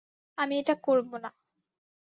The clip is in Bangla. আমি এটা করব না!